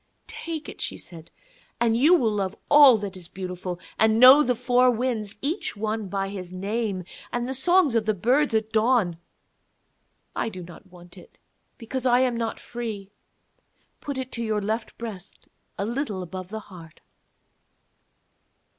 'Take it,' she said, 'and you will love all that is beautiful, and know the four winds, each one by his name, and the songs of the birds at dawn. I do not want it, because I am not free. Put it to your left breast a little above the heart.'